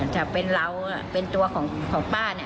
ถ้าเป็นเราเป็นตัวของป้า